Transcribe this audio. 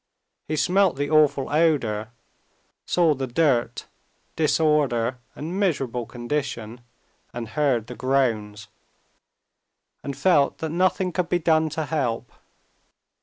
He smelt the awful odor, saw the dirt, disorder, and miserable condition, and heard the groans, and felt that nothing could be done to help.